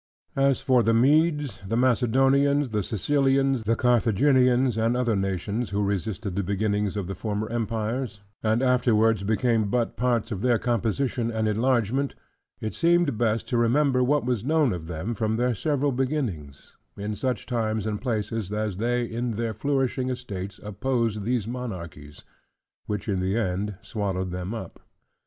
As for the Medes, the Macedonians, the Sicilians, the Carthaginians, and other nations who resisted the beginnings of the former empires, and afterwards became but parts of their composition and enlargement; it seemed best to remember what was known of them from their several beginnings, in such times and places as they in their flourishing estates opposed those monarchies, which in the end swallowed them up.